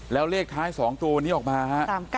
แล้วเลขท้าย๒ตัวนี้ออกมาฮะ